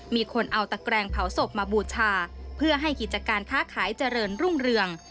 มีคนเอาตะแกรงเผาศพมาบูชาเพื่อให้กิจการค้าขายเจริญรุ่งเรือง